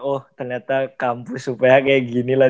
oh ternyata kampus uph kayak gini lah